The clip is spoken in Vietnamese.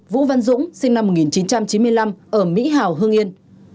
một vũ văn dũng sinh năm một nghìn chín trăm chín mươi năm ở mỹ hào hương yên